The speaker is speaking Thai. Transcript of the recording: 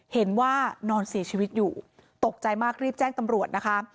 เห็นว่านอนเสียชีวิตอยู่ตกใจมากรีบแจ้งตำรวจนะคะ